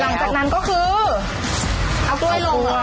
หลังจากนั้นก็คือเอากล้วยลงค่ะ